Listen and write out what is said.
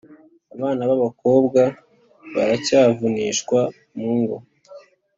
. Abana b’abakobwa baracyavunishwa mungo